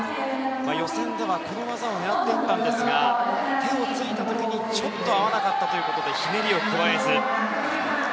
予選ではこの技を狙っていったんですが手をついた時に、ちょっと合わなかったということでひねりを加えず。